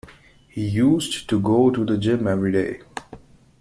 He used to go to the gym every day.